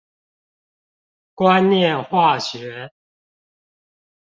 觀念化學